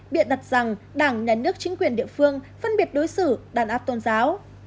biện đặt rằng đảng nhà nước chính quyền địa phương phân biệt đối xử đàn áp tôn giáo